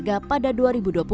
tidak pernah lagi pilot lunasasi